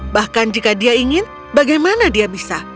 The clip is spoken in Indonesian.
bahkan jika dia ingin bagaimana dia bisa